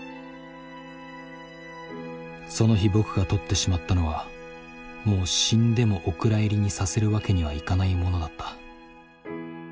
その日僕が撮ってしまったのはもう死んでもお蔵入りにさせるわけにはいかないものだった。